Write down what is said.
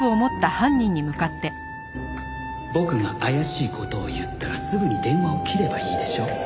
僕が怪しい事を言ったらすぐに電話を切ればいいでしょ？